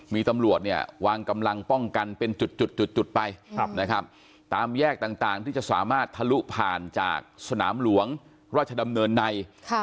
มีตำรวจเนี่ยวางกำลังป้องกันเป็นจุดไปนะครับตามแยกต่างที่จะสามารถทะลุผ่านจากสนามหลวงราชดำเนินใน